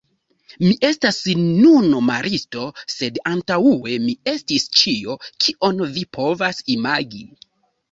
Mi estas nun maristo, sed antaŭe mi estis ĉio, kion vi povas imagi.